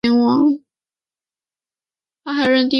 他还任第五届全国政协委员。